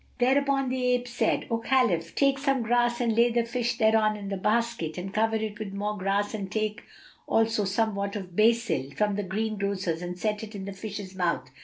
Thereupon the ape said, "O Khalif, take some grass and lay the fish thereon in the basket[FN#272] and cover it with more grass and take also somewhat of basil[FN#273] from the greengrocer's and set it in the fish's mouth.